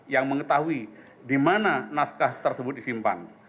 yang mengetahui di mana naskah tersebut disimpan